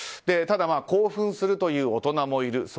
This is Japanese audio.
ただ興奮するという大人もいる。